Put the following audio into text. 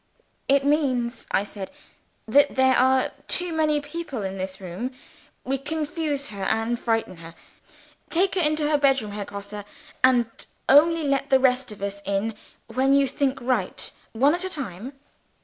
"It means," I said, "that there are too many people in this room. We confuse her, and frighten her. Take her into her bedroom, Herr Grosse; and only let the rest of us in, when you think right one at a time."